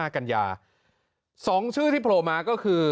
กันยา๒ชื่อที่โผล่มาก็คือ